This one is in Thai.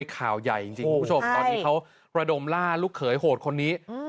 ข่าวใหญ่จริงคุณผู้ชมตอนนี้เขาระดมล่าลูกเขยโหดคนนี้